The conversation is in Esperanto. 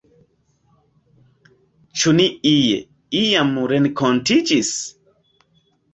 Ĉu ni ie, iam renkontiĝis?